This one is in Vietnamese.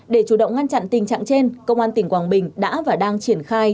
để chủ động ngăn chặn tình trạng trên công an tỉnh quảng bình đã và đang triển khai